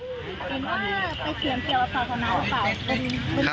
เห็นว่าไปเถียงเทียงวัฒนาหรือเปล่า